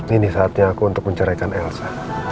ini saatnya aku untuk menceraikan elsa